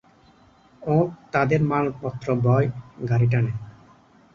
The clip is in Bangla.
উট তাদের মালপত্র বয়, গাড়ি টানে।